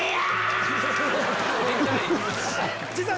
実は。